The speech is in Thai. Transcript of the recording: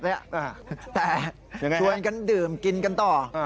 แต่ชวนกันดื่มกินกันต่อ